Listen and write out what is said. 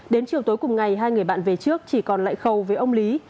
đến chiều tối cùng ngày hai người bạn về trước chỉ còn lại khâu với ông lý